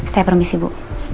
saya permisi bu